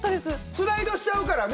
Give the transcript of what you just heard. スライドしちゃうからね。